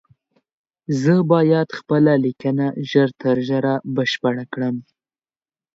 زه بايد خپله ليکنه ژر تر ژره بشپړه کړم